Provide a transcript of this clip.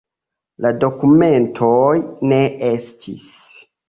La dokumentoj ne estis.